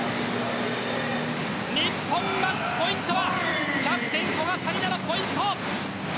日本、マッチポイントはキャプテン古賀紗理那のポイント。